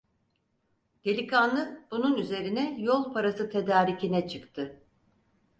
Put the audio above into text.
Delikanlı bunun üzerine yol parası tedarikine çıktı.